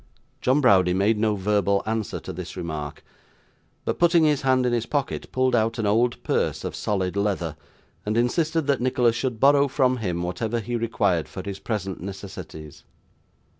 John Browdie made no verbal answer to this remark, but putting his hand in his pocket, pulled out an old purse of solid leather, and insisted that Nicholas should borrow from him whatever he required for his present necessities.